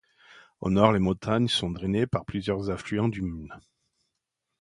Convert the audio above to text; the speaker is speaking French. Au nord, les montagnes sont drainées par plusieurs affluents du Mun.